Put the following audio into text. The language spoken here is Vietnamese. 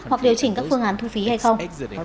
hoặc điều chỉnh các phương án thu phí hay không